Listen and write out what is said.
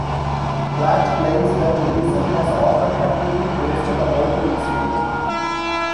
Platt claims that Ellison has often publicly boasted about the incident.